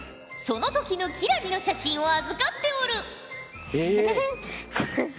その時の輝星の写真を預かっておる！